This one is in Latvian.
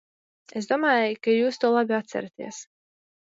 Es domāju, ka jūs to labi atceraties.